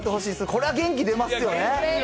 これは元気出ますよね。